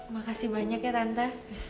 makasih banyak ya tante